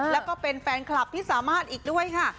แล้วก็เป็นแฟนคลับที่สามารถอีกด้วยค่ะ